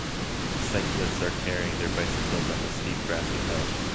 Cyclists are carrying their bicycles up a steep grassy hill.